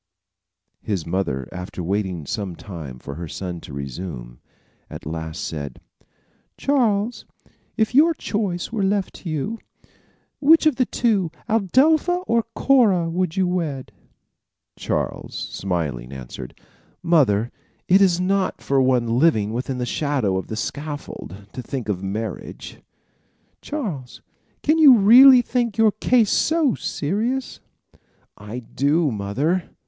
His mother after waiting some time for her son to resume, at last said: "Charles, if your choice were left you, which of the two, Adelpha or Cora, would you wed?" Charles, smiling, answered: "Mother, it is not for one living within the shadow of the scaffold to think of marriage." "Charles, can you really think your case so serious?" "I do mother.